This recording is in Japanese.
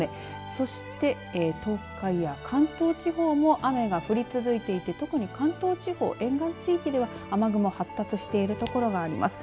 そして東海や関東地方も雨が降り続いていて特に関東地方、沿岸地域では雨雲が発達している所があります。